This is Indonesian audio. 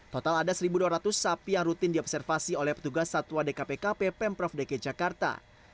total ada satu dua ratus sapi yang rutin diobservasi oleh petugas satwa dkpkp pemprov dki jakarta